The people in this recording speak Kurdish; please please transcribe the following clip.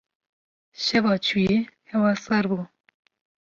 Şeva çûyî hewa sar bû.